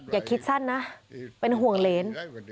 อย่าคิดสั้นนะเป็นห่วงเหรน